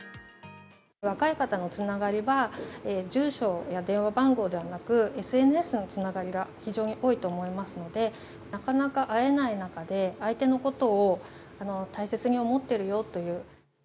若い方のつながりは、住所や電話番号ではなく、ＳＮＳでのつながりが非常に多いと思いますので、なかなか会えない中で、相手のことを大切に思ってるよという。